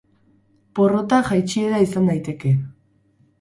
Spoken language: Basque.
Porrota jaitsiera izan daiteke.